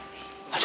di mana sih